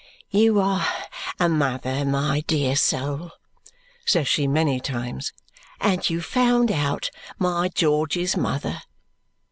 "You are a mother, my dear soul," says she many times, "and you found out my George's mother!"